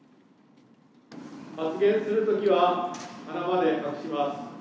発言するときは鼻まで隠します。